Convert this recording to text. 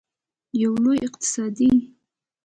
یو لوی اقتصاد.